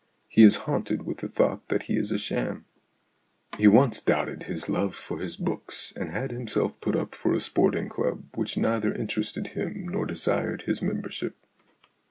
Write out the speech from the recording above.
He is haunted with the thought that he is a sham. He once doubted his love for his books, and had himself put up for a sporting club which neither interested him nor desired his membership.